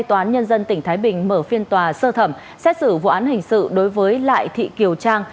tòa án nhân dân tỉnh thái bình mở phiên tòa sơ thẩm xét xử vụ án hình sự đối với lại thị kiều trang